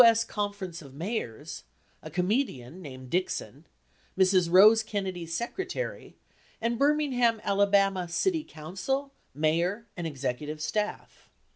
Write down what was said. S. Conference of Mayors, a comedian named Dixon, Mrs. Rose Kennedy's secretary, and Birmingham, Ala. city council, mayor, and executive staff.